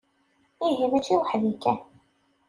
Ihi mačči weḥd-i kan.